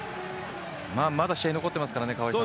まだ試合は残っていますからね川合さん。